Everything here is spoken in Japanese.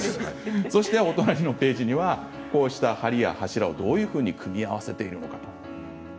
お隣のページにはこうした梁や柱をどういうふうに組み合わせているのか。